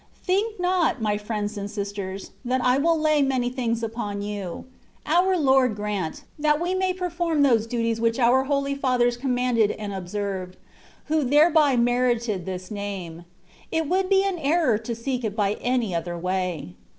Think not, my friends and sisters, that I will lay many things upon you : our Lord grant, that we may perform those duties which our holy fathers commanded and observed, who thereby merited this name ; it would be an error to seek it by any other way.